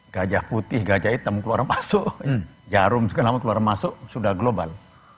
gajah putih gajah hitam keluar masuk jarum segala macam keluar masuk sudah global